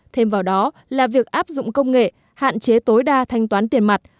thêm vào đó là việc áp dụng công nghệ hạn chế tối đa thanh toán tiền mặt